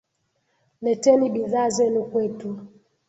Leteni bidhaa zenu kwetu.